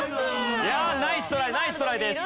いやあナイストライナイストライです。